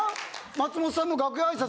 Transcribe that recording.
松本さんの楽屋挨拶